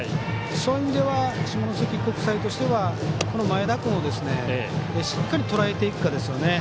そういう意味では下関国際としてはこの前田君をしっかりとらえていくことですよね。